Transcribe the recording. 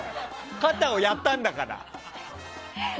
肩をやったんだから。